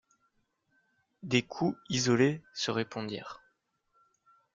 Des coups isolés se répondirent.